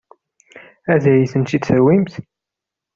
Ad iyi-ten-id-tawimt?